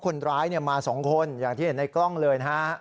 คนร้ายมา๒คนอย่างที่เห็นในกล้องเลยนะฮะ